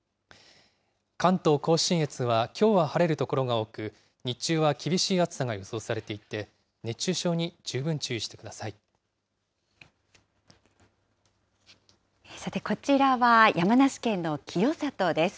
関東甲信越はきょうは晴れる所が多く、日中は厳しい暑さが予想されていて、さてこちらは、山梨県の清里です。